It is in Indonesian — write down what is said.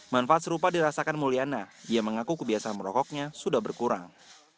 manfaat serupa dirasakan mulyana dia mengaku kebiasaan merokoknya sudah berkurang